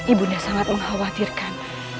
ibunya sangat mengkhawatirkan